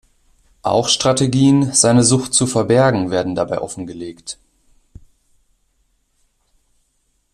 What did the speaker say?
Auch Strategien, seine Sucht zu verbergen, werden dabei offengelegt.